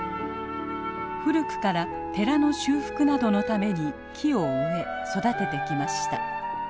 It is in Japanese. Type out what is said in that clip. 古くから寺の修復などのために木を植え育ててきました。